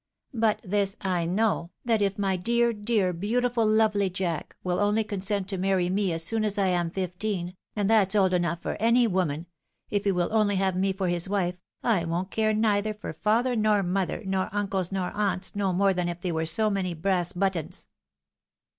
" But this I know, that if my dear, dear, beautiful, lovely Jack, will only consent to marry me as soon as I am fifteen — and that's old enough for any woman — ^if he will only have me for his wife, I won't care neither for father nor mother, nor uncles, nor aunts, no more than if they were so many brass buttoAs."